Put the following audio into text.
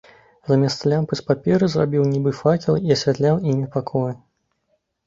Замест лямпы з паперы зрабіў нібы факелы і асвятляў імі пакоі.